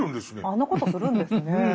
あんなことするんですね。